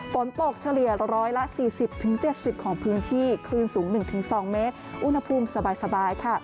เฉลี่ย๑๔๐๗๐ของพื้นที่คลื่นสูง๑๒เมตรอุณหภูมิสบาย